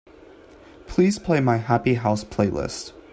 Please play my Happy House playlist.